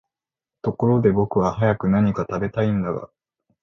ところで僕は早く何か喰べたいんだが、